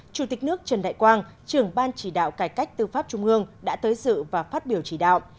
chủ tịch nước trần đại quang trưởng ban chỉ đạo cải cách tư pháp trung ương đã tới dự và phát biểu chỉ đạo